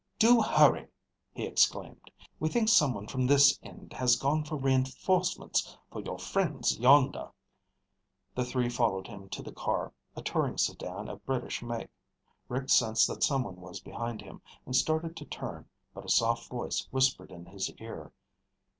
"Do hurry!" he exclaimed. "We think someone from this end has gone for reinforcements for your friends yonder." The three followed him to the car, a touring sedan of British make. Rick sensed that someone was behind him and started to turn, but a soft voice whispered in his ear.